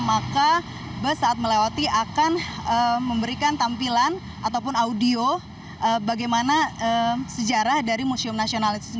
maka bus saat melewati akan memberikan tampilan ataupun audio bagaimana sejarah dari museum nasional itu sendiri